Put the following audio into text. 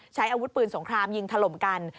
ใช้อาวุธปืนสงครามยิงถล่มกัน